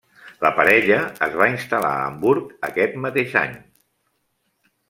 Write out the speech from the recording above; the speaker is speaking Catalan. La parella es va instal·lar a Hamburg aquest mateix any.